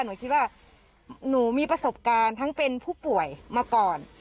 หนูคิดว่าหนูมีประสบการณ์ทั้งเป็นผู้ป่วยมาก่อน